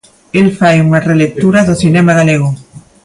El fai unha relectura do cinema galego.